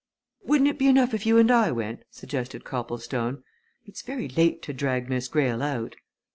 "Wouldn't it be enough if you and I went?" suggested Copplestone. "It's very late to drag Miss Greyle out."